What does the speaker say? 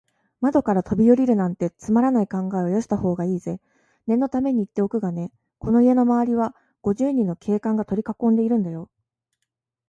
窓からとびおりるなんて、つまらない考えはよしたほうがいいぜ。念のためにいっておくがね、この家のまわりは、五十人の警官がとりかこんでいるんだよ。